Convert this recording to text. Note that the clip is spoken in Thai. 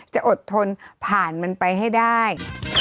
จะอดทนผ่านมันไปให้ได้